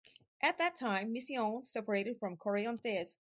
At that time Misiones separated from Corrientes.